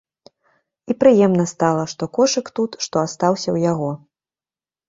І прыемна стала, што кошык тут, што астаўся ў яго.